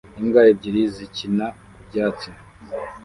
Imbwa ebyiri zikina ku byatsi